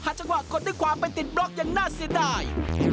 หัดจากหวะคดดึกขวาไปติดบล็อกอย่างน่าเสียดาย